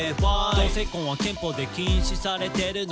「同性婚は憲法で禁止されてるの？